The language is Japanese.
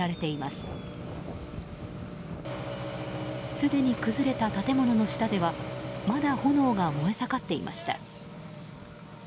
すでに崩れた建物の下ではまだ炎が燃え盛っていました。